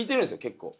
結構。